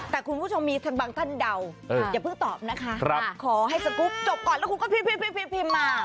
แต่คุณผู้ชมมีบางท่านเดาอย่าเพิ่งตอบนะคะขอให้สกรูปจบก่อนแล้วคุณก็พิมพ์มา